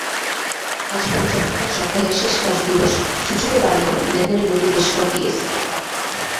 আজ বৃহস্পতিবার সপ্তাহের শেষ কার্যদিবস সূচক বাড়লেও লেনদেনের গতি বেশ কম ডিএসইতে।